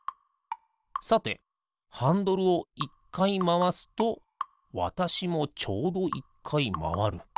さてハンドルを１かいまわすとわたしもちょうど１かいまわる。